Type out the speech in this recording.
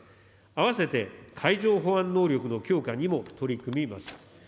あわせて、海上保安能力の強化にも取り組みます。